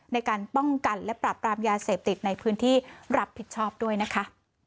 ในการป้องกันและปรับปรามยาเสพติดในพื้นที่รับผิดชอบด้วยนะคะ